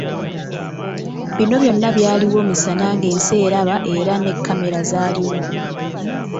Bino byonna byaliwo misana ng'ensi eraba era ne kkamera zaaliwo.